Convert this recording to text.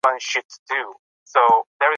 د پوځ نظم يې ټينګ کړ.